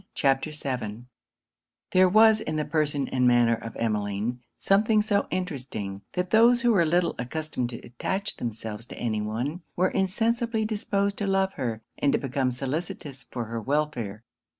CHAPTER VII There was, in the person and manner of Emmeline, something so interesting, that those who were little accustomed to attach themselves to any one, were insensibly disposed to love her, and to become solicitous for her welfare.